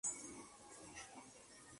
Fue miembro del Partido Federal Popular.